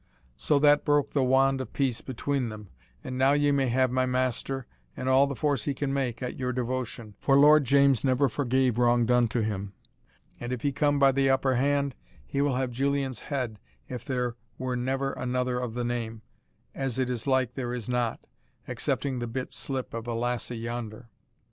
So that broke the wand of peace between them, and now ye may have my master, and all the force he can make, at your devotion, for Lord James never forgave wrong done to him; and if he come by the upper hand, he will have Julian's head if there were never another of the name, as it is like there is not, excepting the bit slip of a lassie yonder.